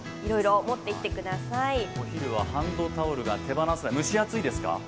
お昼はハンドタオルが手放せません、蒸し暑いですか？